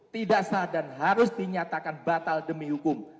tidak sah dan harus dinyatakan batal demi hukum